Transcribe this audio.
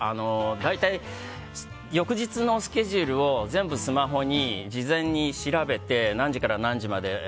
大体、翌日のスケジュールを全部、スマホに事前に調べて何時から何時まで。